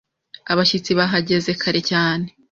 Abashyitsi bahageze kare cyane